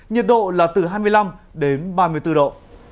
nhiệt độ là từ hai mươi năm đến ba mươi bốn độ